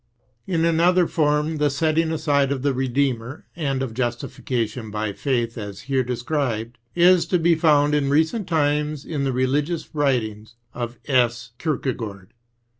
Li another form, the setting aside of the Redeemer and of justification by faith as here described is to be found in recent times in the religious writings of S. Kierkegaard.